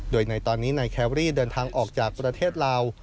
โดยในตอนนี้นายแครรี่เดินทางออกจากประเทศลาว